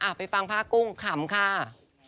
กลางพระกุ้งขำค่ะ